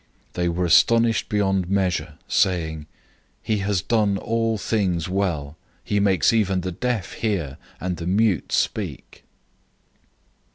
007:037 They were astonished beyond measure, saying, "He has done all things well. He makes even the deaf hear, and the mute speak!"